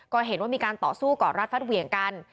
ก็เห็นว่ามีการต่อสู้ก่อรัดฟัดเหวี่ยงกัน